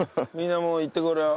みんなもう行ってくれ。